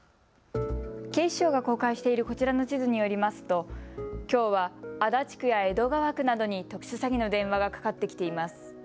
警視庁が公開しているこちらの地図によりますときょうは足立区や江戸川区などに特殊詐欺の電話がかかってきています。